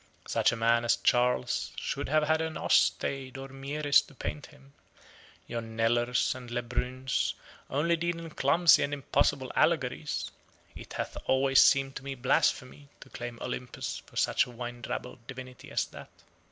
Such a man as Charles should have had an Ostade or Mieris to paint him. Your Knellers and Le Bruns only deal in clumsy and impossible allegories: and it hath always seemed to me blasphemy to claim Olympus for such a wine drabbled divinity as that.